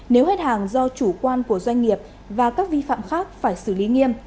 nếu hết hàng do chủ quan của doanh nghiệp và các vi phạm khác phải xử lý nghiêm